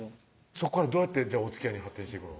そこからどうやっておつきあいに発展していくの？